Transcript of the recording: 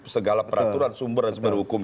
segala peraturan sumber dan sumber hukum